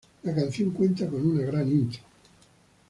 La canción cuenta con una gran intro.